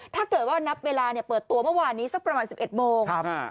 ถ้าเกิดว่านับเวลาเปิดตัวเมื่อวานนี้สักประมาณ๑๑โมง